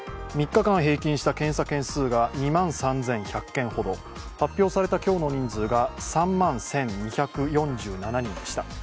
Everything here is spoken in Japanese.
３日間平均した検査件数が２万３１００件ほど、発表された今日の人数が３万１２４７人でした。